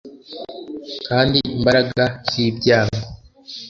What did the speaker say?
Kandi imbaraga z ibyago